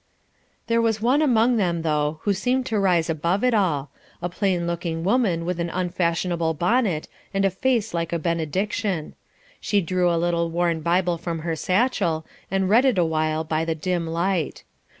There was one among them, though, who seemed to rise above it all; a plain looking woman with an unfashionable bonnet, and a face like a benediction. She drew a little worn Bible from her satchel, and read it awhile by the dim light.